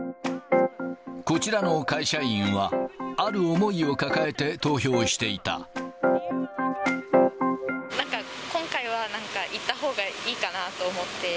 こちらの会社員は、ある思いなんか今回はなんか、行ったほうがいいかなと思って。